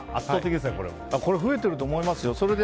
増えてると思いますよ。